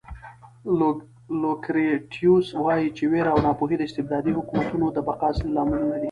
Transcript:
لوکریټیوس وایي چې وېره او ناپوهي د استبدادي حکومتونو د بقا اصلي لاملونه دي.